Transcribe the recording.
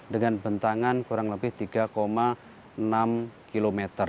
dengan bentangan kurang lebih tiga enam km